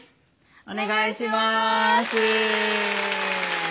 お願いします。